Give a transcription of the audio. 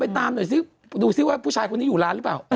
ตามหน่อยซิดูซิว่าผู้ชายคนนี้อยู่ร้านหรือเปล่า